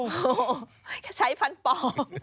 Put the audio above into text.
โอ้ใช้พันธุ์ปลอม